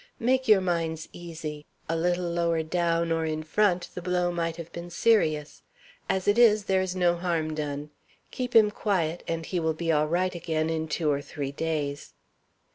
"Make your minds easy. A little lower down, or in front, the blow might have been serious. As it is, there is no harm done. Keep him quiet, and he will be all right again in two or three days."